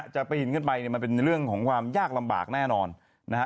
จะปีนขึ้นไปเนี่ยมันเป็นเรื่องของความยากลำบากแน่นอนนะฮะ